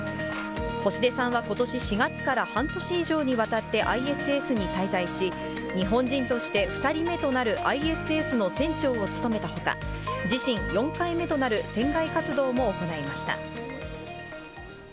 星出さんはことし４月から、半年以上にわたってＩＳＳに滞在し、日本人として２人目となるＩＳＳの船長を務めたほか、自身４回目となる船外活動も行いました。